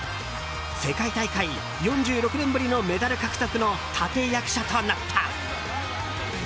世界大会４６年ぶりのメダル獲得の立役者となった。